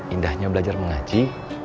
indahnya belajar mengaji